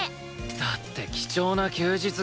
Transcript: だって貴重な休日が。